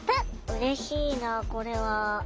うれしいなこれは。